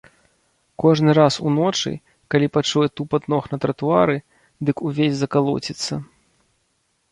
Кожны раз уночы, калі пачуе тупат ног на тратуары, дык увесь закалоціцца.